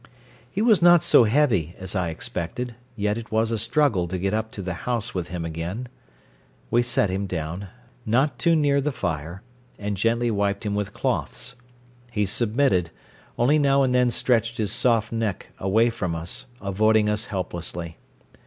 He was not so heavy as I expected, yet it was a struggle to get up to the house with him again. We set him down, not too near the fire, and gently wiped him with cloths. He submitted, only now and then stretched his soft neck away from us, avoiding us helplessly.